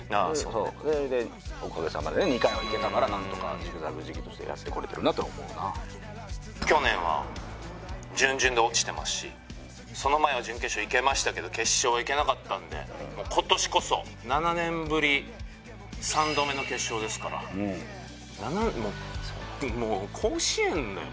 そうねおかげさまでね２回はいけたから何とかジグザグジギーとしてやってこれてるなと思うな去年は準々で落ちてますしその前は準決勝いけましたけど決勝はいけなかったんでもう今年こそ７年ぶり３度目の決勝ですからそうだなもう甲子園だよ